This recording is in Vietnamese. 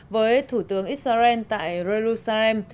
với thủ tướng israel tại jerusalem